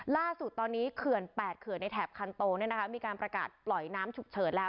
ล่าสุดตอนนี้เขื่อน๘เขื่อนในแถบคันโตมีการประกาศปล่อยน้ำฉุกเฉินแล้ว